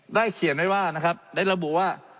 เขียนไว้ว่านะครับได้ระบุว่า